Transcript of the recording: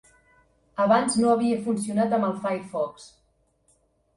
Abans no havia funcionat amb el Firefox.